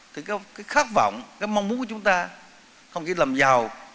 thì cái khát vọng cái mong muốn của chúng ta không chỉ làm giàu